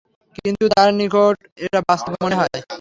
কিন্তু তার নিকট এটা বাস্তব মনে হয়।